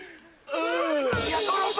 うん。